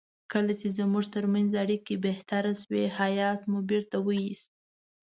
کله چې زموږ ترمنځ اړیکې بهتر شوې هیات مو بیرته وایست.